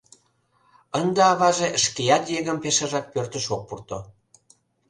Ынде аваже шкеат еҥым пешыжак пӧртыш ок пурто.